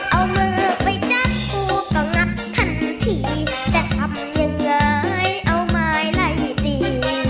เอามือไปจับงูก็งัดทันทีจะทำยังไงเอาไม้ไล่ตี